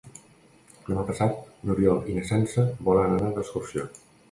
Demà passat n'Oriol i na Sança volen anar d'excursió.